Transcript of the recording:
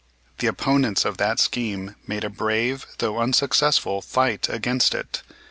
The opponents of that scheme made a brave, though unsuccessful, fight against it.